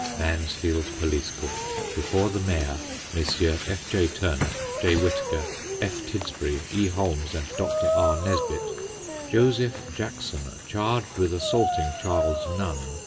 Mansfield Police Court. Before the Mayor, Messrs. F. J. Turner, J. Whitaker, F. Tidsbury, E. Holmes, and Dr. R. Nesbitt. Joseph Jackson, charged with assaulting Charles Nunn.